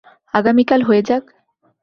আগামীকাল হয়ে যাক?